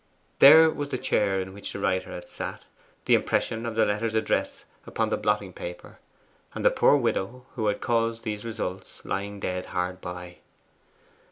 There was the chair in which the writer had sat, the impression of the letter's address upon the blotting paper, and the poor widow who had caused these results lying dead hard by.